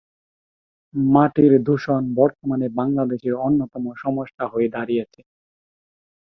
মাটি দূষণ বর্তমানে বাংলাদেশের অন্যতম সমস্যা হয়ে দাঁড়িয়েছে।